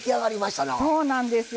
そうなんですよ。